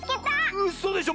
うそでしょ